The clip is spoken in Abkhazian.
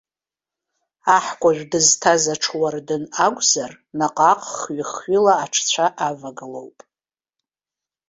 Аҳкәажә дызҭаз аҽуардын акәзар, наҟ-ааҟ хҩы-хҩыла аҽцәа авагылоуп.